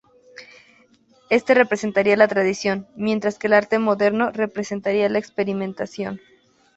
Este representaría la tradición; mientras que el arte moderno representaría la experimentación.